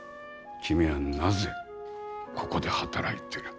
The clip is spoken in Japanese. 君はなぜここで働いてる。